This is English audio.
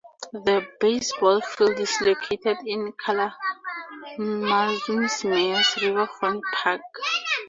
The baseball field is located in Kalamazoo's Mayors Riverfront Park.